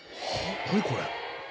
何これ？